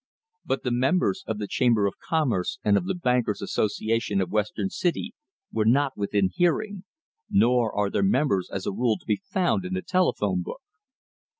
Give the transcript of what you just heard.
But the members of the Chamber of Commerce and of the Bankers' Association of Western City were not within hearing, nor are their numbers as a rule to be found in the telephone book.